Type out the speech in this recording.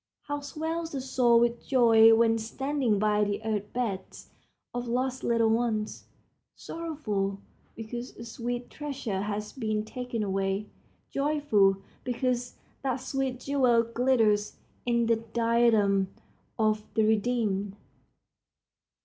How swells the soul with joy when standing by the earth beds of lost little ones, sorrowful because a sweet treasure has been taken away, joyful because that sweet jewel glitters in the diadem of the redeemed.